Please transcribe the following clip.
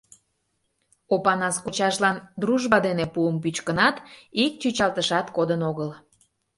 — Опанас кочажлан «Дружба» дене пуым пӱчкынат, ик чӱчалтышат кодын огыл.